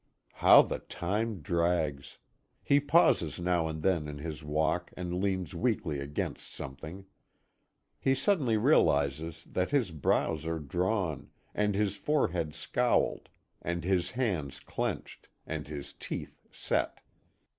How the time drags! He pauses now and then in his walk, and leans weakly against something. He suddenly realizes that his brows are drawn, and his forehead scowled, and his hands clenched, and his teeth set.